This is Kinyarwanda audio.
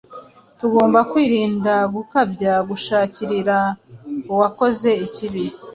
Tugomba kwirinda gukabya gusharirira uwakoze ikibi